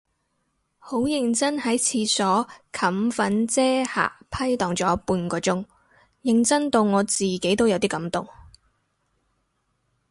好認真喺廁所冚粉遮瑕批蕩咗半個鐘，認真到我自己都有啲感動